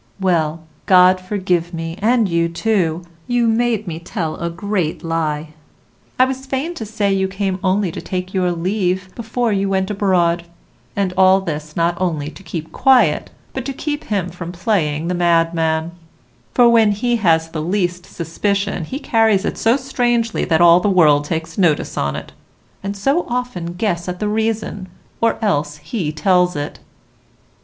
Well, God forgive me, and you too, you made me tell a great lie. I was fain to say you came only to take your leave before you went abroad; and all this not only to keep quiet, but to keep him from playing the madman; for when he has the least suspicion, he carries it so strangely that all the world takes notice on't, and so often guess at the reason, or else he tells it.